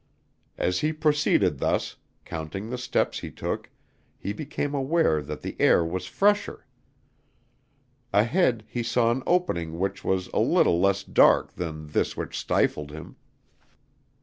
As he proceeded thus, counting the steps he took, he became aware that the air was fresher. Ahead, he saw an opening which was a little less dark than this which stifled him.